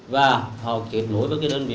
và họ kết nối với cái đơn vị